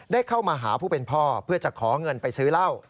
ได้เข้ามาหาผู้เป็นพ่อเพื่อจะขอเงินไปซื้อเหล้า